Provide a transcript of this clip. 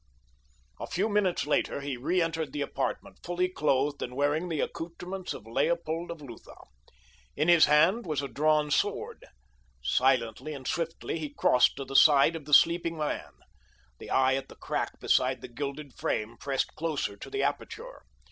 A few minutes later he reentered the apartment fully clothed and wearing the accouterments of Leopold of Lutha. In his hand was a drawn sword. Silently and swiftly he crossed to the side of the sleeping man. The eye at the crack beside the gilded frame pressed closer to the aperture.